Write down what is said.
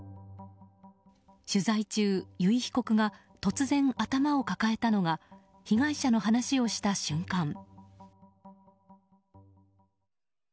取材中、由井被告が突然頭を抱えたのが被害者の話をした瞬間。